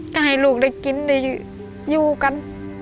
จะให้ลูกได้กินได้อยู่กัน